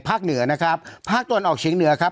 เหนือนะครับภาคตะวันออกเฉียงเหนือครับ